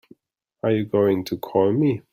Are you going to call me?